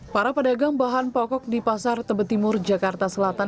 para pedagang bahan pokok di pasar tebetimur jakarta selatan